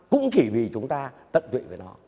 cũng chỉ vì chúng ta tận tụy với nó